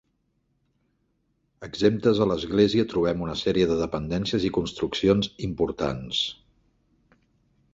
Exemptes a l'església trobem una sèrie de dependències i construccions importants.